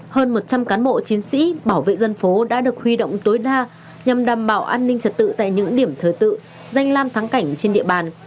hơn một trăm linh cán bộ chiến sĩ bảo vệ dân phố đã được huy động tối đa nhằm đảm bảo an ninh trật tự tại những điểm thờ tự danh lam thắng cảnh trên địa bàn